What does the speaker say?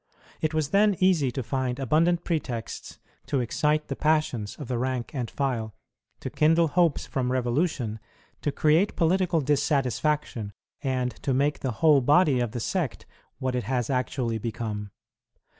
It was then easy to find abundant pretexts to excite the passions of the rank and file, to kindle hopes from revolution, to create political dissatisfaction, and to make the whole body of the sect what it has actually become.